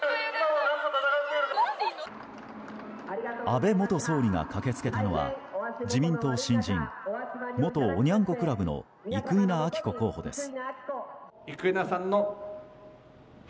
安倍元総理が駆け付けたのは自民党新人元おニャン子クラブの生稲晃子候補です。